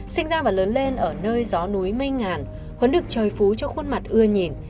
sinh ra và lớn lên ở nơi gió núi mây ngàn huấn được trời phú cho khuôn mặt ưa nhìn